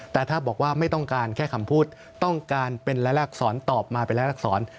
แต่ถ้าบอกว่าไม่ต้องการแค่คำพูดต้องการเป็นรายลักษรตอบมาเป็นรายลักษร